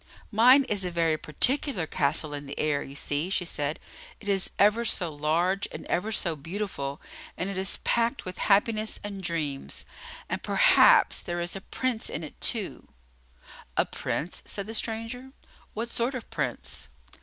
"Mine is a very particular castle in the air, you see," she said. "It is ever so large and ever so beautiful, and it is packed with happiness and dreams, and perhaps there is a Prince in it, too." "A Prince?" said the stranger. "What sort of Prince?"